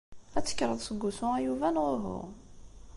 Ad tekkreḍ seg wusu a Yuba neɣ uhu?